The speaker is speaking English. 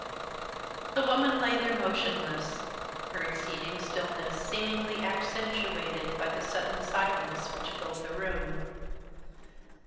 The woman lay there, motionless, her exceeding stillness seeming accentuated by the sudden silence which filled the room.